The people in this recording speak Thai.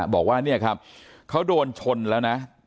บอกว่าเนี่ยครับเขาโดนชนแล้วนะ